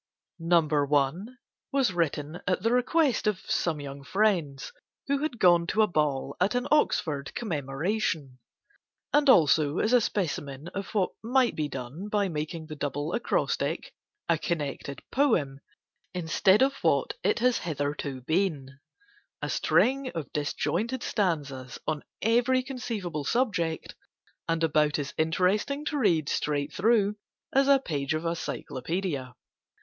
No. I. was written at the request of some young friends, who had gone to a ball at an Oxford Commemoration—and also as a specimen of what might be done by making the Double Acrostic a connected poem instead of what it has hitherto been, a string of disjointed stanzas, on every conceivable subject, and about as interesting to read straight through as a page of a Cyclopædia.